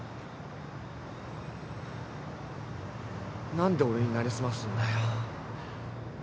何で俺に成り済ますんだよ？